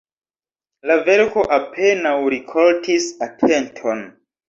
La verko apenaŭ rikoltis atenton.